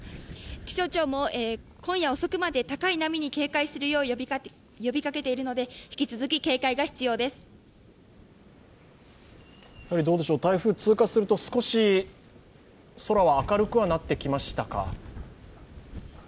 気象庁も今夜遅くまで高い波に警戒するよう呼びかけているので、台風通過すると少し、空は明るくはなってきましたか？